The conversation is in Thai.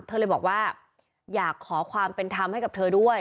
เธอเลยบอกว่าอยากขอความเป็นธรรมให้กับเธอด้วย